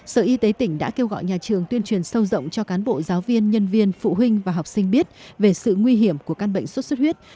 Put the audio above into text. sở y tế tỉnh đã kêu gọi nhà trường tuyên truyền sâu rộng cho cán bộ giáo viên nhân viên phụ huynh và học sinh biết về sự nguy hiểm của căn bệnh xuất xuất huyết